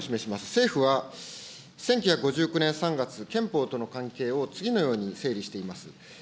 政府は、１９５９年３月、憲法との関係を次のように整理しています。